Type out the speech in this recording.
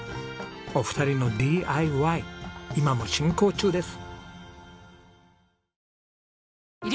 お二人のＤＩＹ今も進行中です。